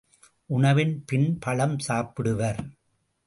உணவின் பின் பழம் சாப்பிடுவர்.